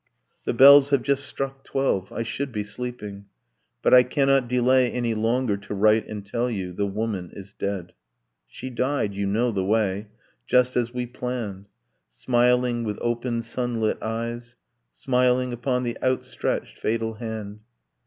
'The bells have just struck twelve: I should be sleeping. But I cannot delay any longer to write and tell you. The woman is dead. She died you know the way. Just as we planned. Smiling, with open sunlit eyes. Smiling upon the outstretched fatal hand